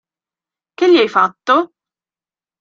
Che gli hai fatto?